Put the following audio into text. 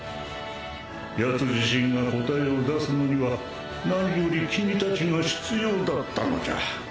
ヤツ自身が答えを出すのには何より君たちが必要だったのじゃ。